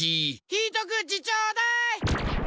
ひとくちちょうだい。